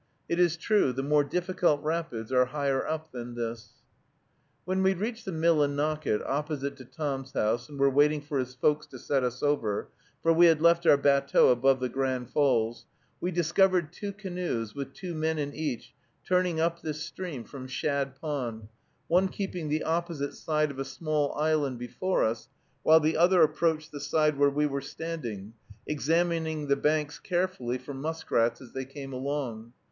It is true, the more difficult rapids are higher up than this. When we reached the Millinocket opposite to Tom's house, and were waiting for his folks to set us over, for we had left our batteau above the Grand Falls, we discovered two canoes, with two men in each, turning up this stream from Shad Pond, one keeping the opposite side of a small island before us, while the other approached the side where we were standing, examining the banks carefully for muskrats as they came along.